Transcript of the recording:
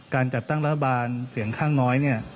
การจัดตั้งรัฐบาลเสียงข้างน้อยเนี่ย